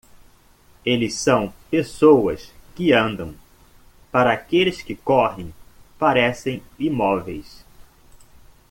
Eles são pessoas que andam; Para aqueles que correm, parecem imóveis.